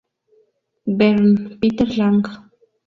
Bern: Peter Lang.